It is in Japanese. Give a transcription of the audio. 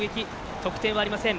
得点はありません。